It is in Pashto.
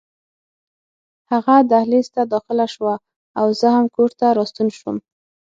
هغه دهلېز ته داخله شوه او زه هم کور ته راستون شوم.